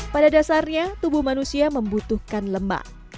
pada dasarnya tubuh manusia membutuhkan lemak